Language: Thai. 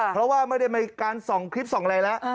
เพราะว่าไม่ได้มีการส่องคลิปส่องอะไรแล้ว